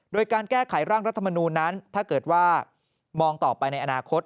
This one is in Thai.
โดยการแก้ไขร่างรัฐมนูลนั้นถ้าเกิดว่ามองต่อไปในอนาคต